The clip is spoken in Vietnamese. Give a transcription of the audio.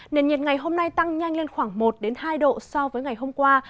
nền nhiệt ngày hôm nay tăng nhanh lên khoảng một hai độ so với ngày hôm qua